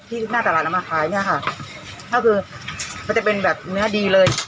หน้าตลาดเอามาขายเนี่ยค่ะก็คือมันจะเป็นแบบเนื้อดีเลย